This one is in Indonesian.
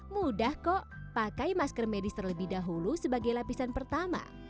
mudah kok pakai masker medis terlebih dahulu sebagai lapisan pertama